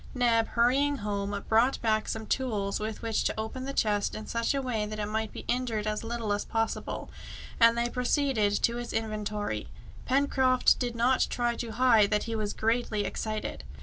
Neb, hurrying home, brought back some tools with which to open the chest in such a way that it might be injured as little as possible, and they proceeded to its inventory. Pencroft did not try to hide that he was greatly excited.